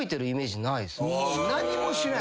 何もしない。